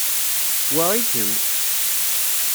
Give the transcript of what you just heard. Wa i kemm.